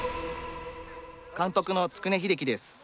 監督の築根英樹です。